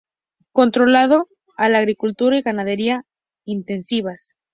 contrario a la agricultura y ganadería intensivas.